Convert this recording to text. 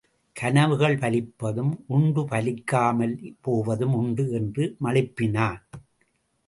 கனவுகள் பலிப்பதும் உண்டு பலிக்காமல் போவதும் உண்டு என்று மழுப்பினான்.